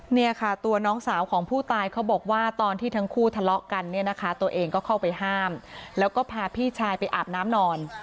เนี่ยค่ะตัวน้องสาวของผู้ตายเขาบอกว่าตอนที่ทั้งคู่ทะเลาะกันเนี่ยนะคะตัวเองก็เข้าไปห้ามแล้วก็พาพี่ชายไปอาบน้ำนอน